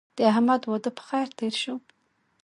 د احمد واده په خیر تېر شو.